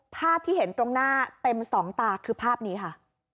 ภาพที่เห็นตรงหน้าเต็มสองตาคือภาพนี้ค่ะ